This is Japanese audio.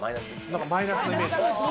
なんかマイナスのイメージ。